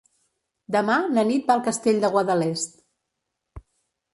Demà na Nit va al Castell de Guadalest.